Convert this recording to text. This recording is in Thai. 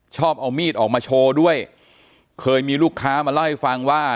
ชอบเอามีดออกมาโชว์ด้วยเคยมีลูกค้ามาเล่าให้ฟังว่า